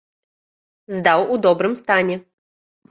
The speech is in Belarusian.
Здаў у добрым стане.